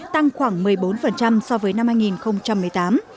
tăng khoảng một mươi bốn so với năm hai nghìn một mươi tám